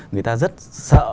người ta rất sợ